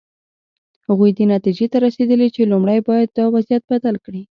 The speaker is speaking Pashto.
هغوی دې نتیجې ته رسېدلي چې لومړی باید دا وضعیت بدل کړي.